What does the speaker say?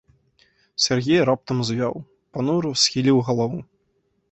Сяргей раптам звяў, панура схіліў галаву.